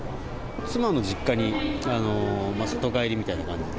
妻の実家に里帰りみたいな感じで。